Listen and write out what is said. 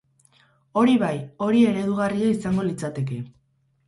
Hori bai, hori eredugarria izango litzateke.